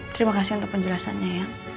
terima kasih untuk penjelasannya ya